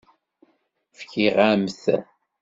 Fkiɣ-am-t.